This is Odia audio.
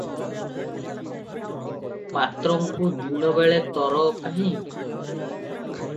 ପାତ୍ରଙ୍କୁ ଦିନବେଳେ ତର କାହିଁ?